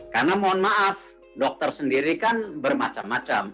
karena mohon maaf dokter sendiri kan bermacam macam